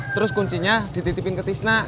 terus kuncinya dititipin ke tisna